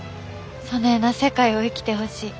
そねえな世界を生きてほしい。